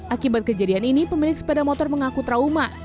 akibat kejadian ini pemilik sepeda motor mengaku trauma